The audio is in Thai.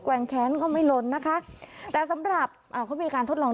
แวร์กแขนก็ไม่ล้นนะคะ